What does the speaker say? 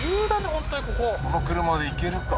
本当にこここの車で行けるか？